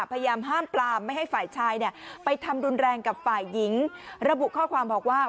พยายามห้ามปลามไม่ให้ฝ่ายชายเนี่ยไปทำรุนแรงกับฝ่ายหญิงระบุข้อความบอกว่า